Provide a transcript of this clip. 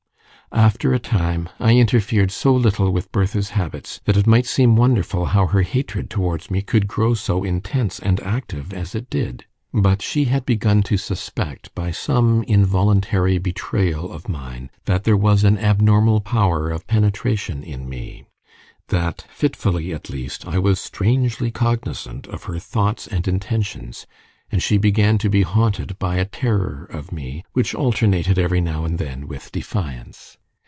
After a time I interfered so little with Bertha's habits that it might seem wonderful how her hatred towards me could grow so intense and active as it did. But she had begun to suspect, by some involuntary betrayal of mine, that there was an abnormal power of penetration in me that fitfully, at least, I was strangely cognizant of her thoughts and intentions, and she began to be haunted by a terror of me, which alternated every now and then with defiance.